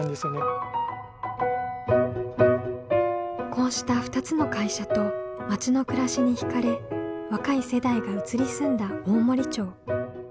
こうした２つの会社と町の暮らしに惹かれ若い世代が移り住んだ大森町。